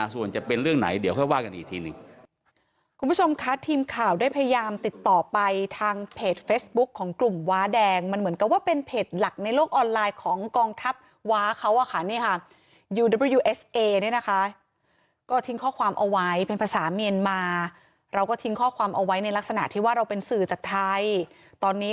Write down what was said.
ส่วนจะเป็นเรื่องไหนเดี๋ยวค่อยว่ากันอีกทีหนึ่ง